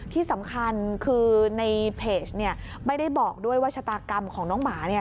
ที่สำคัญคือในเพจไม่ได้บอกด้วยว่าชะตากรรมของน้องหมาเนี่ย